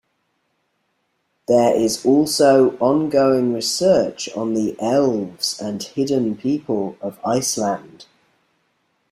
There is also ongoing research on the elves and hidden people of Iceland.